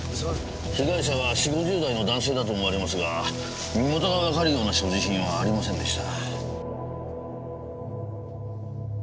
被害者は４０５０代の男性だと思われますが身元がわかるような所持品はありませんでした。